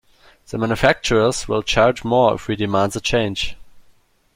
The manufacturers will charge more if we demand the change.